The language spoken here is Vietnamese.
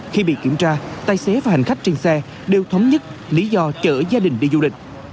khi bị kiểm tra tài xế và hành khách trên xe đều thống nhất lý do chở gia đình đi du lịch